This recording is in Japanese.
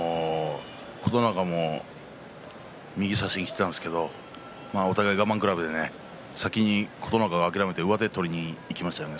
琴ノ若も右差しにいったんですけれどもお互いに我慢比べで先に琴ノ若が諦めて上手を取りにいきましたよね